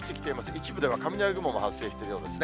一部では雷雲も発生しているようですね。